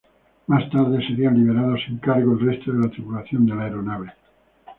Más tarde serían liberados sin cargos el resto de la tripulación de la aeronave.